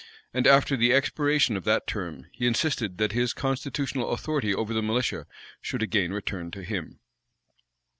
And after the expiration of that term, he insisted that his constitutional authority over the militia should again return to him.